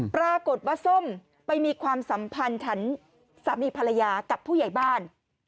ปรากฏว่าส้มไปมีความสัมพันธ์ฉันสามีภรรยากับผู้ใหญ่บ้าน